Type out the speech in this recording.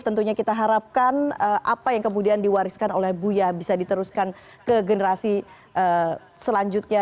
tentunya kita harapkan apa yang kemudian diwariskan oleh buya bisa diteruskan ke generasi selanjutnya